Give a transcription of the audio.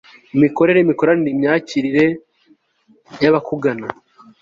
imikorere, imikoranire, imyakirire y'abakugana